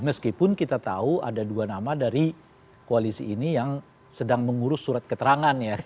meskipun kita tahu ada dua nama dari koalisi ini yang sedang mengurus surat keterangan ya